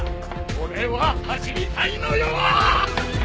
俺は走りたいのよー！